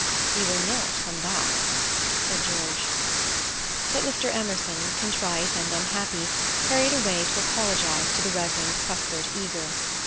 "He will not come back," said George. But Mr. Emerson, contrite and unhappy, hurried away to apologize to the Rev. Cuthbert Eager.